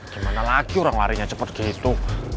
gimana lagi orang larinya cepet gitu